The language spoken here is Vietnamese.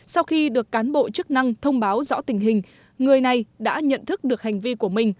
sau khi được cán bộ chức năng thông báo rõ tình hình người này đã nhận thức được hành vi của mình